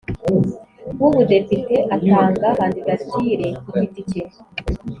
w Ubudepite atanga kandidatire ku giti cye